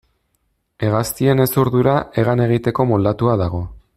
Hegaztien hezurdura hegan egiteko moldatuta dago.